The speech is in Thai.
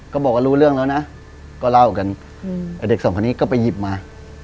ก็บอกว่ารู้เรื่องแล้วนะก็เล่ากันไอ้เด็กสองคนนี้ก็ไปหยิบมา